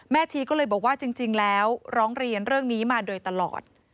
ชีก็เลยบอกว่าจริงแล้วร้องเรียนเรื่องนี้มาโดยตลอด